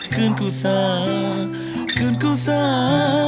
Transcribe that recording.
ขึ้นกูซ้าขึ้นกูซ้า